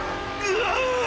うわ！